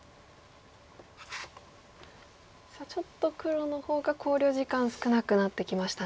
さあちょっと黒の方が考慮時間少なくなってきましたね。